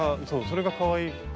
それがかわいいから。